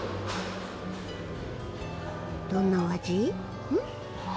どんなお味？